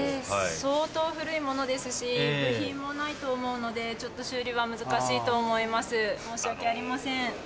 相当古いものですし部品もないと思うのでちょっと修理は難しいと思います申し訳ありません。